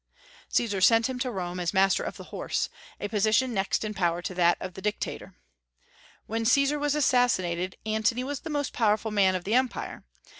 Caesar sent him to Rome as master of the horse, a position next in power to that of dictator. When Caesar was assassinated, Antony was the most powerful man of the empire.